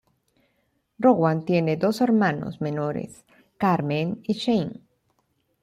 Rowan tiene dos hermanos menores, Carmen y Shane.